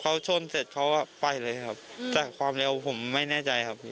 เขาชนเสร็จเขาก็ไปเลยครับแต่ความเร็วผมไม่แน่ใจครับ